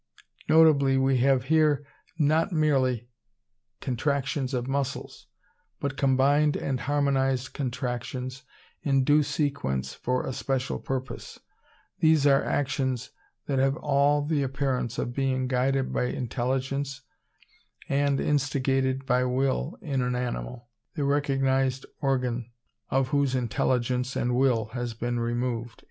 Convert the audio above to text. Notably we have here not merely contractions of muscles, but combined and harmonized contractions in due sequence for a special purpose. These are actions that have all the appearance of being guided by intelligence and instigated by will in an animal, the recognized organ of whose intelligence and will has been removed."